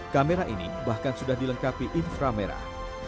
kamera ini bahkan sudah dilengkapi infra merah